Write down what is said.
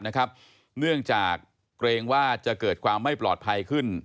เนื่องจากเกรงว่าจะเกิดความไม่ปลอดภัยขึ้น